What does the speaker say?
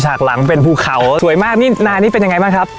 กหลังเป็นภูเขาสวยมากนี่นานี้เป็นยังไงบ้างครับ